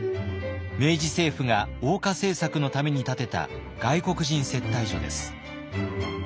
明治政府が欧化政策のために建てた外国人接待所です。